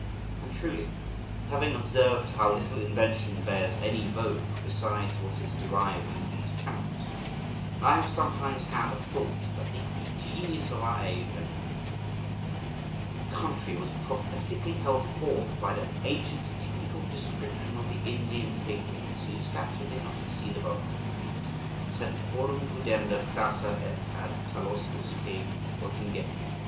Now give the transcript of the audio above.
And truly, having observed how little invention bears any vogue besides what is derived into these channels, I have sometimes had a thought that the happy genius of our age and country was prophetically held forth by that ancient typical description of the Indian pigmies whose stature did not exceed above two feet, sed quorum pudenda crassa, et ad talos usque pertingentia.